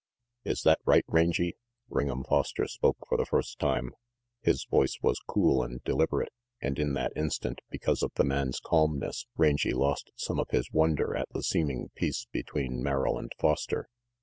"Is that right, Rangy?" Ring'em Foster spoke for the first time. His voice was cool and deliberate, and in that instant, because of the man's calmness, Rangy lost some of his wonder at the seeming peace between Merrill and Foster.